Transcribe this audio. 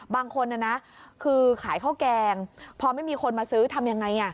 บางคนนะนะคือขายข้าวแกงพอไม่มีคนมาซื้อทำยังไง